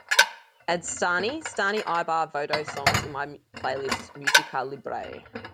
add Stani, stani Ibar vodo songs in my playlist música libre